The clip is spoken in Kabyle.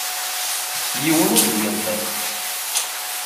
Yiwen ur d-yenṭiq.